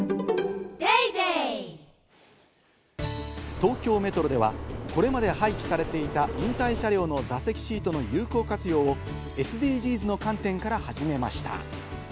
東京メトロでは、これまで廃棄されていた引退車両の座席シートの有効活用をＳＤＧｓの観点から始めました。